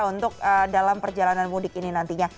untuk dalam perjalanan mudik ini nantinya